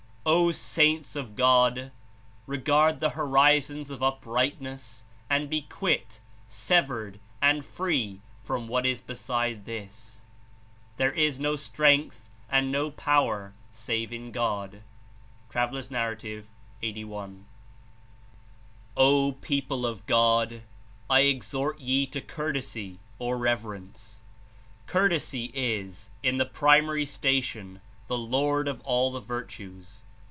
"O saints of God! Regard the horizons of up rightness and be quit, severed and free from what Is beside this. There Is no strength and no power save In God." (T. N. 8i.) "O people of God! I exhort ye to Courtesy (or Reverence). Courtesy Is, In the primary station, the lord of all the virtues.